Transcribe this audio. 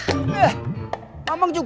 celana dalamnya gak usah